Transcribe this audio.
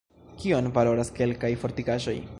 “Kion valoras kelkaj fortikaĵoj!